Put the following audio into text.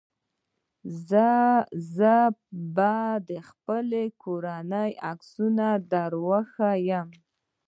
زه به د خپلې کورنۍ عکسونه دروښيم.